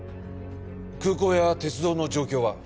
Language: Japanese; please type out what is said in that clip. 空港や鉄道の状況は？